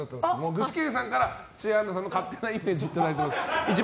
具志堅さんから土屋アンナさんの勝手なイメージいただいています。